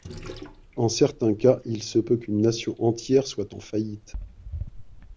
En certains cas, il se peut qu'une Nation entière soit en faillite.